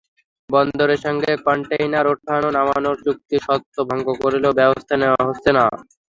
বন্দরের সঙ্গে কনটেইনার ওঠানো-নামানোর চুক্তির শর্ত ভঙ্গ করলেও ব্যবস্থা নেওয়া হচ্ছে না।